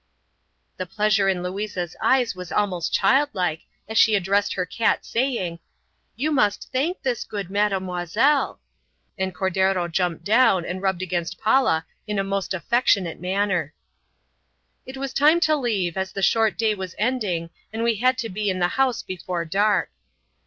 The pleasure in Louisa's eyes was almost childlike, as she addressed her cat saying, "You must thank this good mademoiselle," and Cordero jumped down and rubbed against Paula in a most affectionate manner. It was time to leave as the short day was ending and we had to be in the house before dark.